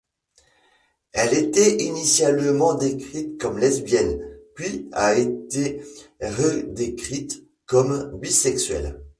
Elle était initialement décrite comme lesbienne, puis a été redécrite comme bisexuelle.